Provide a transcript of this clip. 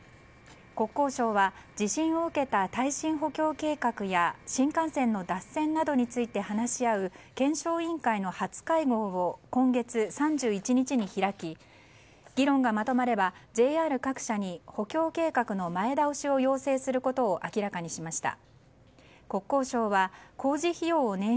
国交省は地震を受けた耐震補強計画や新幹線の脱線などについて話し合う検証委員会の初会合を今月３１日に開き議論がまとまればＪＲ各社に補強計画の前倒しを要請することを明らかにしました。